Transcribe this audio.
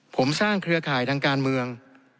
ผมสร้างเครือข่ายทางการเมือง